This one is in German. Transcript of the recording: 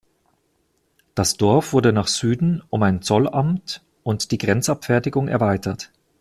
Das Dorf wurde nach Süden um ein Zollamt und die Grenzabfertigung erweitert.